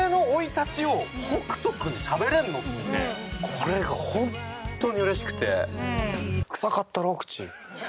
これホントに嬉しくて。